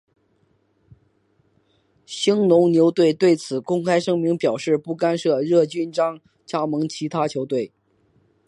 兴农牛队对此公开声明表示不干涉叶君璋加盟其他球队。